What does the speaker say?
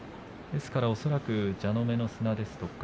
ですから、恐らく蛇の目の砂ですとか。